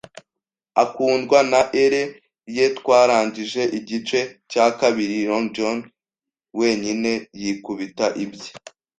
akundwa na ere ye twarangije igice cya kabiri, Long John wenyine yikubita ibye